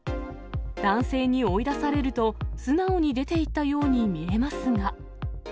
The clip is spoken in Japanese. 男性に追い出されると、素直に出ていったように見えますが。